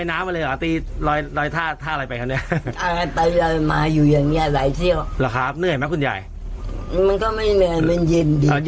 อ้าวมันไม่ตายตีกันเชียงตีกันเชียงไว้ด้วยหรอครับ